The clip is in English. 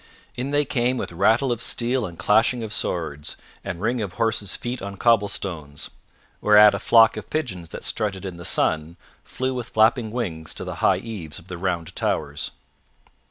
In they came with rattle of steel and clashing of swords, and ring of horses' feet on cobblestones, whereat a flock of pigeons that strutted in the sun flew with flapping wings to the high eaves of the round towers.